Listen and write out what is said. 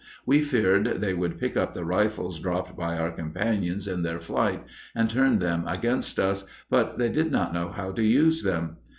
We feared they would pick up the rifles dropped by our companions in their flight and turn them against us, but they did not know how to use them.